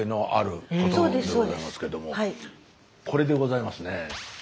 これでございますね。